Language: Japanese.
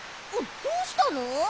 どうしたの！？